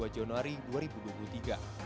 dua januari dua ribu dua puluh tiga